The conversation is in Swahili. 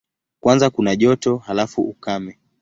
Kwanza kuna joto, halafu ukame.